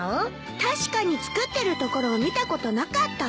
確かに作ってるところを見たことなかったわ。